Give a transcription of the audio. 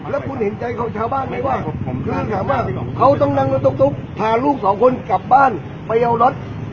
แล้วคุณเห็นใจชาวบ้านไหมว่าถามว่าเขาต้องนั่งรถตุ๊กพาลูกสองคนกลับบ้านไปเอารถ